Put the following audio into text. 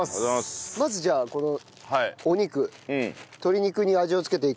まずじゃあこのお肉鶏肉に味をつけていくという事で。